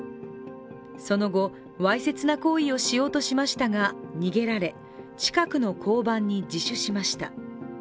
その後、わいせつな行為をしようとしましたが逃げられ、近くの交番に自首しました。